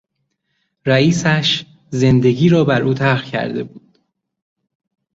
رئیسش زندگی را بر او تلخ کرده بود.